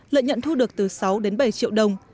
lợi nhận thu được từ sáu đến bảy triệu đồng